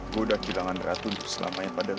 gue udah kehilangan ratu selama yang padat